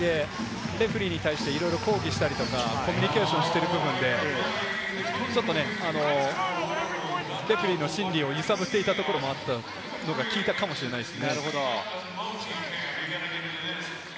あとはシュルーダー選手、結構、このゲームで早めの段階でレフェリーに対していろいろ抗議したりとかコミュニケーションしている部分で、ちょっとレフェリーの進路を揺さぶっていたところもあったのが効いたかもしれません。